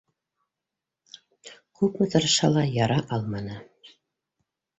Күпме тырышһа ла яра алманы.